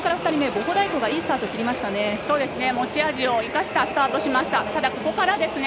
ボホダイコがいいスタート切りましたね。